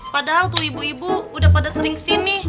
padahal tuh ibu ibu udah pada sering kesini